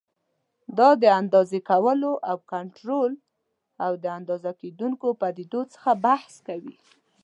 دا د اندازې کولو او کنټرول او د اندازه کېدونکو پدیدو څخه بحث کوي.